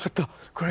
これ！